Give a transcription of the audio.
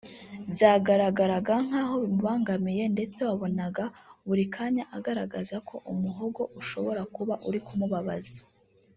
Byagaragaraga nk’aho bimubangamiye ndetse wabonaga buri kanya agaragaza ko umuhogo ushobora kuba uri kumubabaza